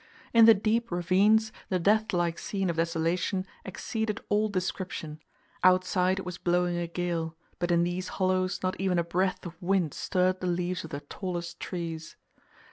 In the deep ravines, the death like scene of desolation exceeded all description; outside it was blowing a gale, but in these hollows, not even a breath of wind stirred the leaves of the tallest trees.